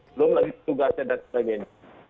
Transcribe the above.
belum lagi tugasnya dan sebagainya